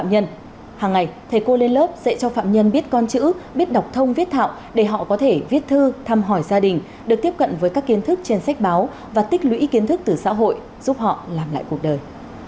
hàng ngày thầy cô lên lớp dạy cho phạm nhân biết con chữ biết đọc thông viết thạo để họ có thể viết thư thăm hỏi gia đình được tiếp cận với các kiến thức trên sách báo và tích lũy kiến thức từ xã hội giúp họ làm lại cuộc đời